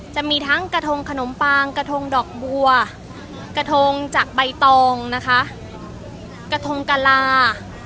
จะมีทั้งกระทงขนมปางกระทงดอกบัวกระทงจากใบตองนะคะกระทงกะลา